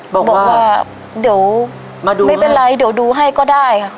บอกว่าเดี๋ยวไม่เป็นไรเดี๋ยวดูให้ก็ได้ค่ะ